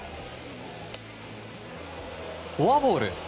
フォアボール。